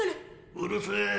うるせえ。